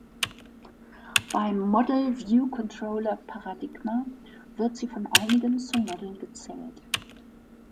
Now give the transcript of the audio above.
Beim Model-View-Controller-Paradigma wird sie von einigen zum Model gezählt.